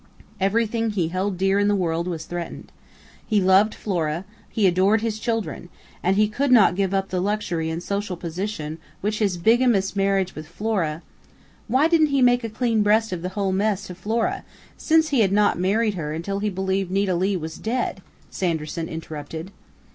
Everything he held dear in the world was threatened. He loved Flora, he adored his children, and he could not give up the luxury and social position which his bigamous marriage with Flora " "Why didn't he make a clean breast of the whole mess to Flora, since he had not married her until he believed Nita Leigh was dead?" Sanderson interrupted.